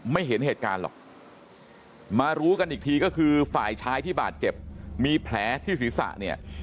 เห็นเหตุการณ์หรอกมารู้กันอีกทีก็คือฝ่ายชายที่บาดเจ็บมีแผลที่ศีรษะเนี่ย